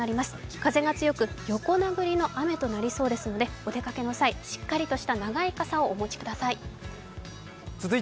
風が強く横殴りの雨となりそうですので、お出かけの際、しっかりとした長い傘をお持ちください。